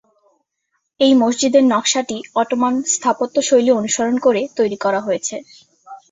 এই মসজিদের নকশাটি অটোমান স্থাপত্যশৈলী অনুসরণ করে তৈরি করা হয়েছে।